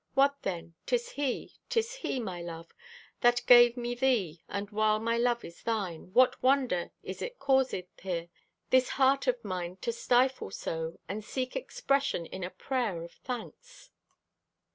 What, then! 'Tis He, 'tis He, my love, That gave me thee, and while my love is thine, What wonder is it causeth here This heart of mine to stifle so And seek expression in a prayer of thanks?